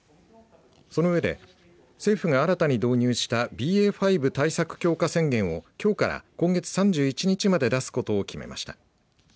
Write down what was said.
その上で政府が新たに導入したＢＡ．５対策強化宣言をきょうから今月３１日まで出すことを決めました。